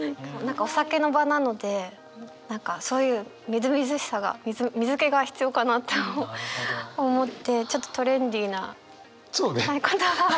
お酒の場なので何かそういうみずみずしさが水けが必要かなと思ってちょっとトレンディーな言葉を。